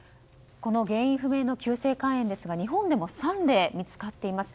原因不明の急性肝炎ですが日本でも３例見つかっています。